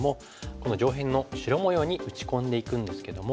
この上辺の白模様に打ち込んでいくんですけども。